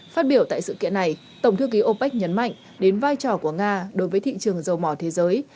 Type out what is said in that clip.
phát biểu tại sự kiện này tổng thư ký opec nhấn mạnh đến vai trò của nga đối với thị trường dầu mỏ thế giới